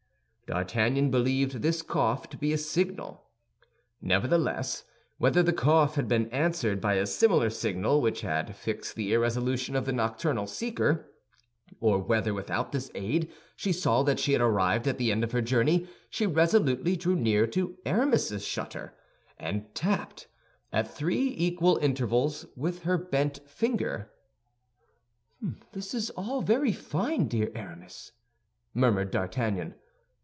D'Artagnan believed this cough to be a signal. Nevertheless, whether the cough had been answered by a similar signal which had fixed the irresolution of the nocturnal seeker, or whether without this aid she saw that she had arrived at the end of her journey, she resolutely drew near to Aramis's shutter, and tapped, at three equal intervals, with her bent finger. "This is all very fine, dear Aramis," murmured D'Artagnan.